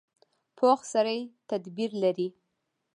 پوخ سړی تدبیر لري